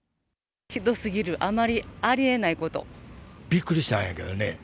ひどすぎる、あまりありえなびっくりしたんやけどね。